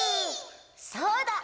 そうだ！